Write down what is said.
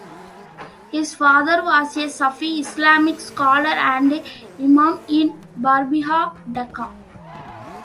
His father was a Sufi Islamic scholar and imam in Paribagh, Dacca.